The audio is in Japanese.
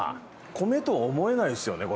米とは思えないっすよねこれね。